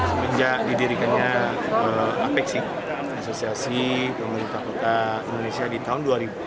semenjak didirikannya apexi asosiasi pemerintah kota indonesia di tahun dua ribu